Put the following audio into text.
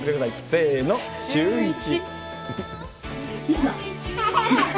せーの、シューイチ。